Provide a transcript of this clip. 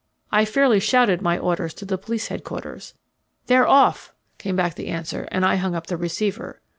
I fairly shouted my orders to the police headquarters. "They're off," came back the answer, and I hung up the receiver.